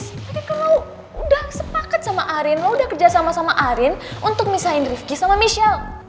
tapi kalau lo udah sepakat sama arin lo udah kerja sama sama arin untuk ngepisahin rifqi sama michelle